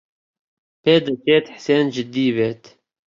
پێدەچێت حسێن جددی بێت.